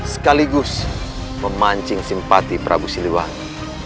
sekaligus memancing simpati prabu siliwangi